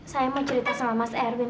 saya mau cerita sama mas erwin